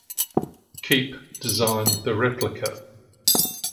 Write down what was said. Keep designed the replica.